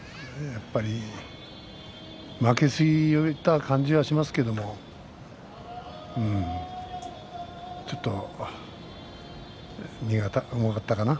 やっぱり負けすぎた感じはしますけれどもちょっと荷が重かったかな